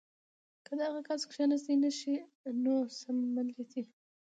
کۀ دغه کس کښېناستے نشي نو څملي دې